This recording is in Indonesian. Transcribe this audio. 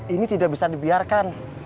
ini tidak bisa dibiarkan